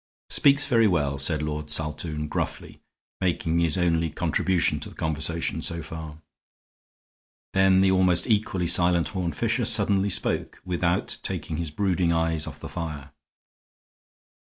"Speaks very well," said Lord Saltoun, gruffly, making his only contribution to the conversation so far. Then the almost equally silent Horne Fisher suddenly spoke, without taking his brooding eyes off the fire.